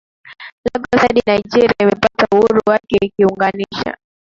Lagos hadi Nigeria imepata uhuru wake ikiunganisha